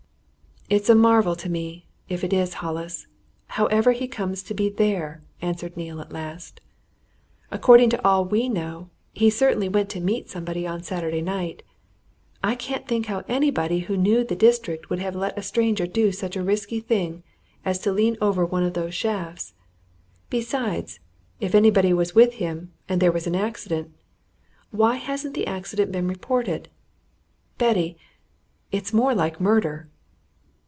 "It's a marvel to me if it is Hollis however he comes to be there," answered Neale at last. "According to all we know, he certainly went to meet somebody on Saturday night. I can't think how anybody who knew the district would have let a stranger do such a risky thing as to lean over one of those shafts. Besides, if anybody was with him, and there was an accident, why hasn't the accident been reported? Betty! it's more like murder!"